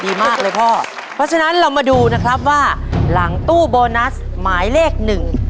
ดีมากเลยพ่อเพราะฉะนั้นเรามาดูนะครับว่าหลังตู้โบนัสหมายเลขหนึ่ง